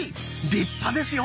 立派ですよ。